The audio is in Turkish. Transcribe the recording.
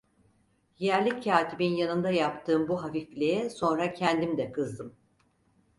Yerli katibin yanında yaptığım bu hafifliğe sonra kendim de kızdım.